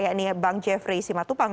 yakni bang jeffrey simatupang